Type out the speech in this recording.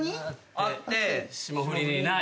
あって霜降りにない。